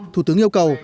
thủ tướng yêu cầu